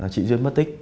chị duyên mất tích